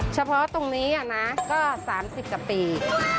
เฉพาะตรงนี้นะก็๓๐กว่าปี